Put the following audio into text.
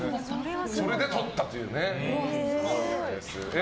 それでとったという。